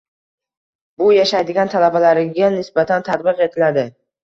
Bu yashaydigan talabalariga nisbatan tatbiq etiladi.